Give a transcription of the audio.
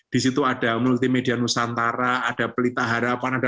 di situ ada multimedia nusantara ada pelitahara